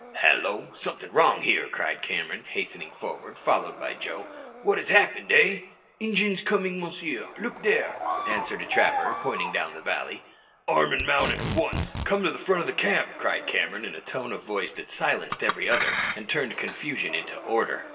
"Hallo! something wrong here," cried Cameron, hastening forward, followed by Joe. "What has happened, eh?" "Injuns comin', monsieur; look dere," answered a trapper, pointing down the valley. "Arm and mount at once, and come to the front of the camp," cried Cameron in a tone of voice that silenced every other, and turned confusion into order.